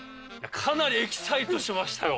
かなりエキサイトしましたよ。